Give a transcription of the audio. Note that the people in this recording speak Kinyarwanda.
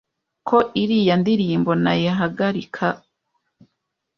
ko iriya ndirimbo nayihagarika a